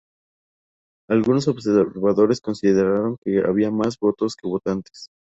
Algunos observadores consideraron que había "más votos que votantes".